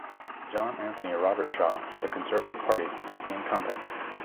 John Anthony Robertshaw for the Conservative Party was the incumbent.